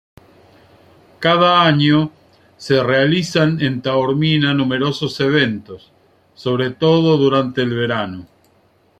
Cada año se realizan en Taormina numerosos eventos, sobre todo durante el verano.